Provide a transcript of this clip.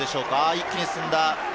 一気に進んだ。